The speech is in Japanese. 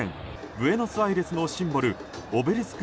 ブエノスアイレスのシンボルオベリスク